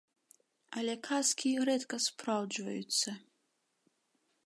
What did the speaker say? Але казкі рэдка спраўджваюцца.